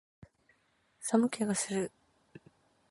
寒気がする